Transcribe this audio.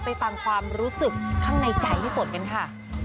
ไปฟังความรู้สึกข้างในใจพี่ฝนกันค่ะ